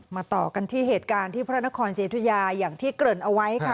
ต่อกันที่เหตุการณ์ที่พระนครศรีธุยาอย่างที่เกริ่นเอาไว้ค่ะ